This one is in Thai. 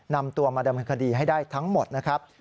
นำตัวมาดำเนินคดีให้ได้ทั้งหมดนะครับ